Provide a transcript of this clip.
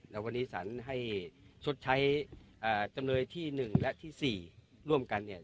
แล้ววันนี้สารให้ชดใช้เอ่อจำนวยที่หนึ่งและที่สี่ร่วมกันเนี่ย